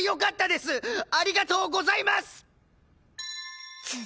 ありがとうございます！